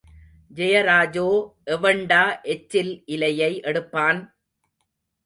ஜெயராஜோ எவண்டா எச்சில் இலையை எடுப்பான்!...